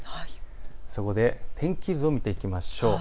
そこで天気図を見ていきましょう。